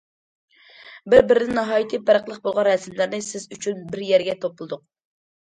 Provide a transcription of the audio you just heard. بىر- بىرىدىن ناھايىتى پەرقلىق بولغان رەسىملەرنى سىز ئۈچۈن بىر يەرگە توپلىدۇق.